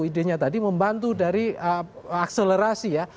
ide nya tadi membantu dari akselerasi ya